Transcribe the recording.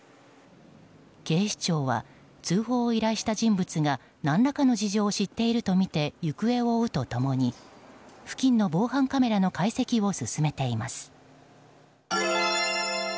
警視庁は通報を依頼した人物が何らかの事情を知っているとみて行方を追うと共に付近の防犯カメラの解析を進めています。